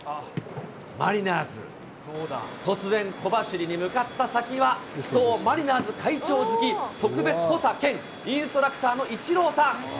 マリナーズ、突然、小走りに向かった先は、そう、マリナーズ会長付特別補佐兼インストラクターのイチローさん。